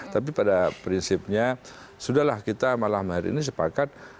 tapi pada prinsipnya sudahlah kita malam hari ini sepakat